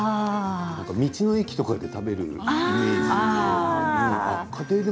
道の駅とかで食べるイメージ。